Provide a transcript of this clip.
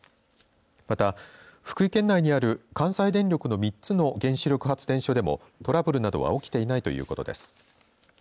また、福井県内にある関西電力の３つの原子力発電所でもトラブルなどは起きていないということです。